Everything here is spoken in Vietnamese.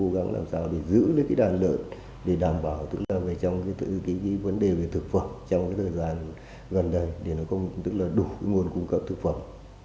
giữ đàn lợn để đảm bảo vấn đề về thực phẩm trong thời gian gần đây để có đủ nguồn cung cấp thực phẩm